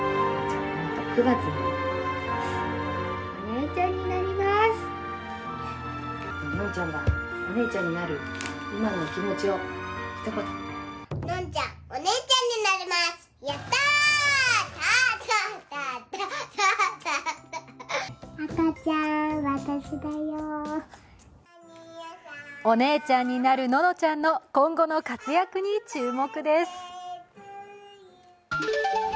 お姉ちゃんになるののちゃんの今後の活躍に注目です。